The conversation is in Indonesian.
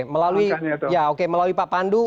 melalui ya oke melalui pak pandu